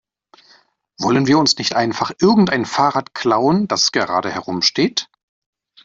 Wollen wir uns nicht einfach irgendein Fahrrad klauen, das gerade herumsteht?